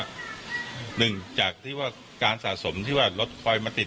หนึ่งจากที่ว่าการสะสมที่ว่ารถคอยมาติด